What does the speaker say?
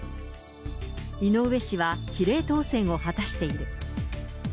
井上氏は比例当選を果たしている。